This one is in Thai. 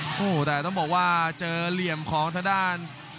โอ้โหแต่ต้องบอกว่าเจอเหลี่ยมของทางด้าน